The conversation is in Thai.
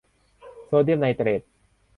โซเดียมไนเตรท